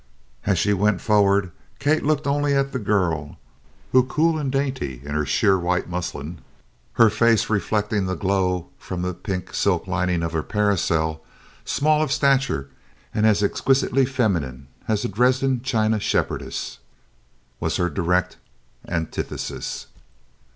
As she went forward Kate looked only at the girl, who, cool and dainty in her sheer white muslin, her fair face reflecting the glow from the pink silk lining of her parasol, small of stature and as exquisitely feminine as a Dresden china shepherdess, was her direct antithesis.